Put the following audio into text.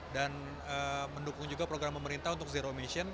dan mendukung juga program pemerintah untuk zero emission